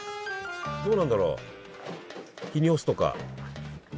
どうなんだろう日に干すとか。